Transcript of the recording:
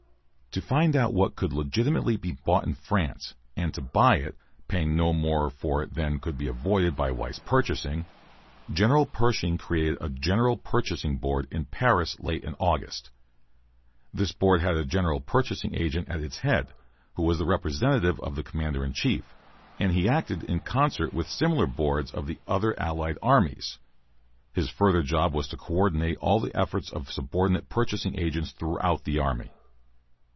To find out what could legitimately be bought in France, and to buy it, paying no more for it than could be avoided by wise purchasing, General Pershing created a General Purchasing Board in Paris late in August. This board had a general purchasing agent at its head, who was the representative of the commander in chief, and he acted in concert with similar boards of the other Allied armies. His further job was to co ordinate all the efforts of subordinate purchasing agents throughout the army.